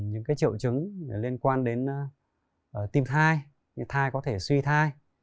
những cái chịu chứng liên quan đến tim thai thai có thể suy thai